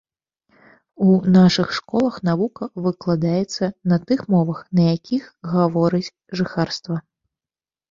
У нашых школах навука выкладаецца на тых мовах, на якіх гаворыць жыхарства.